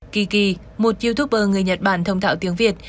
kiki một youtuber người nhật bản thông tạo tiếng việt